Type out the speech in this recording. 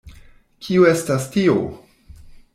Kio estas tio?